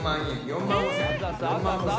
４万５，０００。